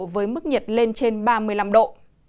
với mức nhiệt lên trên ba mươi năm độ